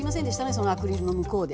そのアクリルの向こうで。